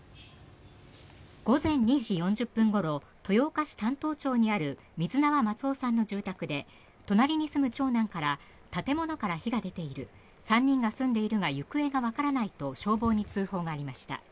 午前２時４０分ごろ豊岡市但東町にある水縄松生さんの住宅で隣に住む長男から建物から火が出ている３人が住んでいるが行方がわからないと消防に通報がありました。